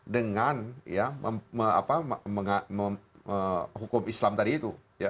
dengan hukum islam tadi itu